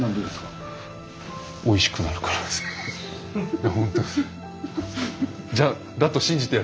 いや本当っす。